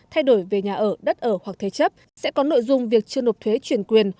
thay đổi về nhà ở đất ở hoặc thế chấp sẽ có nội dung việc chưa nộp thuế chuyển quyền